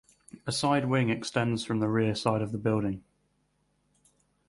A side wing extends from the rear side of the building.